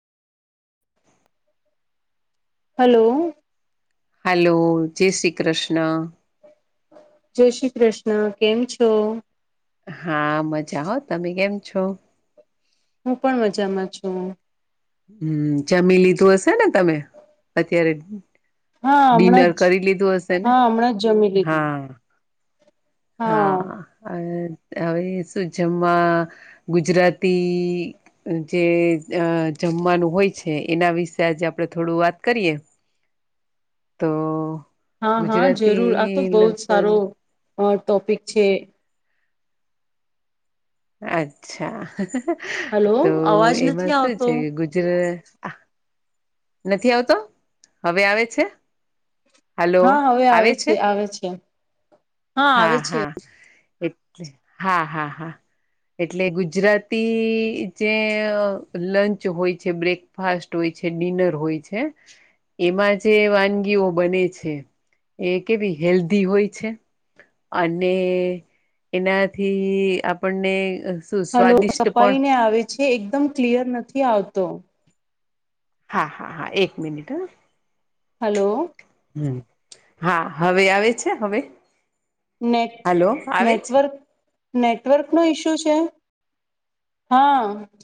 Hello. Hello જય શ્રી કૃષ્ણ. જય શ્રી કૃષ્ણ કેમ છો? હા મજા હો તમે કેમ છો? હું પણ મજામાં છું. હમ જમી લીધું હશે ને તમે અત્યારે? હા હમણાં ડિનર જ કરી લીધું હશે ને હા હમણાં જ જમી લીધું હા હા અ હવે શું જેમમાં ગુજરાતી જે જમવાનું હોય છે, એના વિશે આજે આપડે થોડું વાત કરીએ તો. હા હા જરૂર આ તો ગુજરાતી બહુ જ સારો લોકોને ટોપિક છે. અચ્છા હલો તો અવાજ એમાં નથી શું આવતો છે ગુજરાત નથી આવતો હવે આવે છે? હલો હા હવે આવે છે આવે છે. હા આવે છે. એટલે હા હા હા એટલે ગુજરાતી જે લંચ હોય છે, બ્રેકફાસ્ટ હોય છે, ડિનર હોય છે, એમાં જે વાનગીઓ બને છે, એ કેવી હેલ્ધી હોય છે, અને એનાથી આપણને શું હલો સ્વાદિષ્ટ પણ છપાઈને આવે છે, એકદમ ક્લિયર નથી આવતો હા હા હા એક મિનિટ હા. હલો. હ હા હવે આવે છે હવે. નેટ હલો આવે છે નેટવર્ક. નેટવર્ક નો ઈશ્યુ છે, હા